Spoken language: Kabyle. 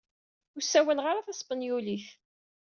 Ur ssawaleɣ ara taspenyulit.